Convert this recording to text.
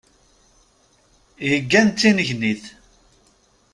Yeggan d tinnegnit.